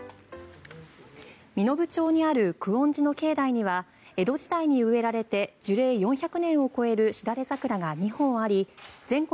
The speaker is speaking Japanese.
身延町にある久遠寺の境内には江戸時代に植えられて樹齢４００年を超えるシダレザクラが２本あり全国